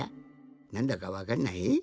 なんだかわかんない？